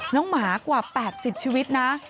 หมากว่า๘๐ชีวิตนะ